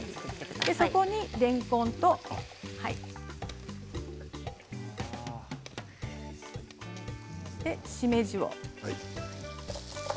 そこに、れんこんとしめじを。